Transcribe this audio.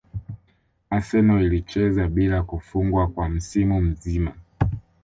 Arsenal ilicheza bila kufungwa kwa msimu mzima